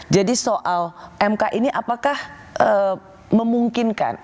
jadi soal mk ini apakah memungkinkan